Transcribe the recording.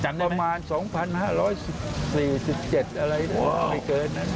จังได้ไหมประมาณ๒๕๑๗อะไรไม่เกิน